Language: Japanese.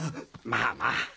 まあまあ。